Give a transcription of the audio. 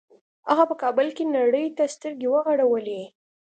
هغه په کابل کې نړۍ ته سترګې وغړولې